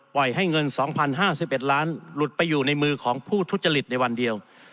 ให้เงิน๒๐๕๑ล้านหลุดไปอยู่ในมือของผู้ทุจริตในวันเดียว